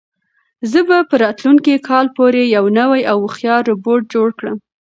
زه به تر راتلونکي کال پورې یو نوی او هوښیار روبوټ جوړ کړم.